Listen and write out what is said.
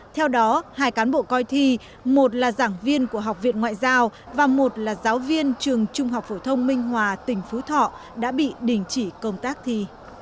theo đó hai cán bộ coi thi một là giảng viên của học viện ngoại giao và một là giáo viên trường trung học phổ thông minh hòa tỉnh phú thọ đã bị đình chỉ công tác thi